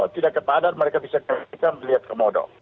tidak ke padar mereka bisa ke rizal melihat komodo